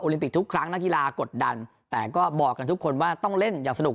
ลิมปิกทุกครั้งนักกีฬากดดันแต่ก็บอกกันทุกคนว่าต้องเล่นอย่างสนุก